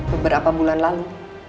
beberapa bulan lalu